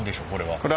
これは。